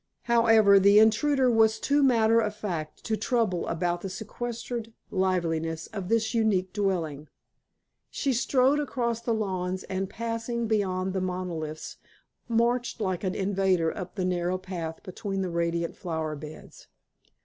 However, the intruder was too matter of fact to trouble about the sequestered liveliness of this unique dwelling. She strode across the lawns, and passing beyond the monoliths, marched like an invader up the narrow path between the radiant flower beds.